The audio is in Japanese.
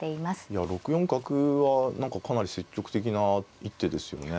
いや６四角は何かかなり積極的な一手ですよね。